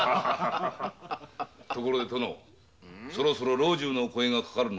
ところで殿そろそろ老中のお声がかかるのでは？